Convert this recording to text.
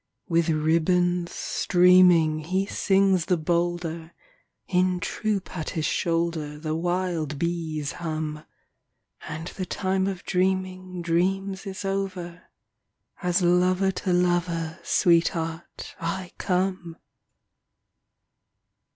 With ribbons streaming He sings the bolder ; In troop at his shoulder The wild bees hum. And the time of dreaming Dreams is over — As lover to lover, Sweetheart, I come.